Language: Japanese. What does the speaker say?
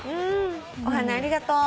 お花ありがとう。